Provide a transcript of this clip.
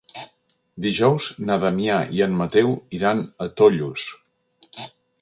Dijous na Damià i en Mateu iran a Tollos.